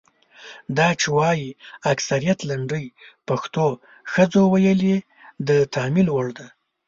دا چې وايي اکثریت لنډۍ پښتنو ښځو ویلي د تامل وړ ده.